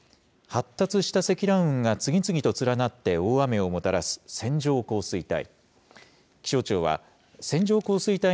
発達した積乱雲が次々と連なって大雨をもたらす線状降水帯。